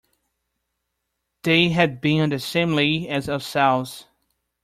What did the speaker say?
They had been on the same lay as ourselves.